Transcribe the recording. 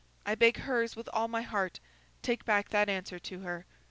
I beg hers with all my heart. Take back that answer to her.